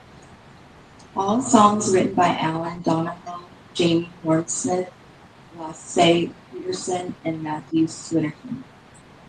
All songs written by Alan Donohoe, Jamie Hornsmith, Lasse Petersen and Matthew Swinnerton.